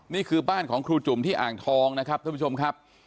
นี่คือบ้านของครูจุ่มที่อ่างทองนะครับท่านผู้ชมครับ